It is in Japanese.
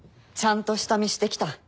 ちゃんと下見してきた。